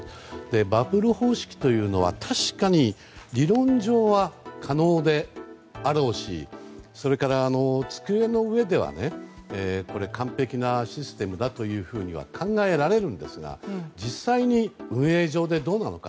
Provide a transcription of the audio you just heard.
バブル方式というのは確かに理論上は可能であろうしそれから、机の上ではね完璧なシステムだというふうには考えられるんですが実際に、運営上でどうなのか。